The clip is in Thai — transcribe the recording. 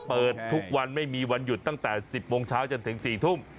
เปิดทุกวันไม่มีวันหยุดตั้งแต่๑๐โมงเช้าจนถึง๔ทุ่ม